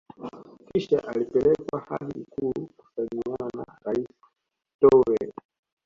Kisha alipelekwa hadi ikulu kusalimiana na Rais Toure